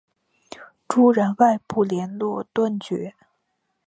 朱然外部连络断绝。